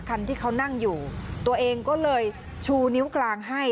คันที่เขานั่งอยู่ตัวเองก็เลยชูนิ้วกลางให้